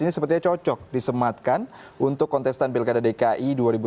ini sepertinya cocok disematkan untuk kontestan pilkada dki dua ribu tujuh belas